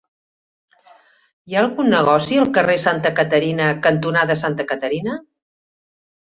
Hi ha algun negoci al carrer Santa Caterina cantonada Santa Caterina?